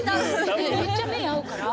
ねえめっちゃ目合うからえ？